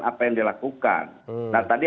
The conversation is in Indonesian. apa yang dilakukan nah tadi